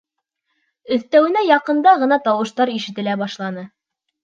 Өҫтәүенә, яҡында ғына тауыштар ишетелә башланы.